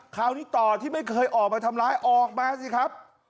คราวนี้ต่อที่ไม่เคยออกมาทำร้ายออกมาสิครับ